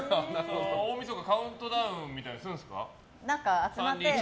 大晦日カウントダウンみたいなするんですか？